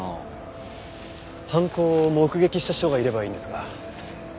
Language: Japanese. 犯行を目撃した人がいればいいんですが。